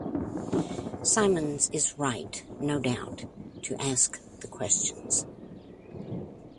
Symonds is right, no doubt, to ask the questions.